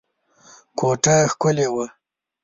کوټه ښکلې وه.